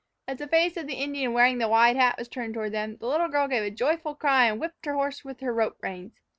As the face of the Indian wearing the wide hat was turned toward them, the little girl gave a joyful cry and whipped her horse with her rope reins.